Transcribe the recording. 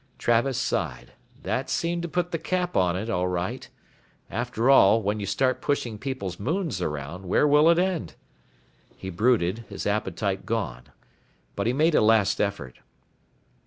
Travis sighed. That seemed to put the cap on it, all right. After all, when you start pushing people's moons around, where will it end? He brooded, his appetite gone. But he made a last effort.